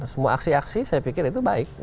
semua aksi aksi saya pikir itu baik